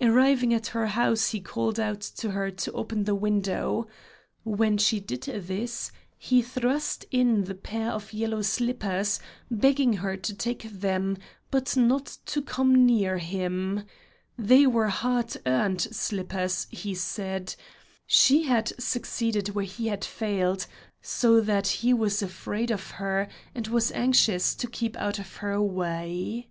Arriving at her house he called out to her to open the window. When she did this, he thrust in the pair of yellow slippers, begging her to take them, but not to come near him; they were hard earned slippers, he said; she had succeeded where he had failed; so that he was afraid of her and was anxious to keep out of her way.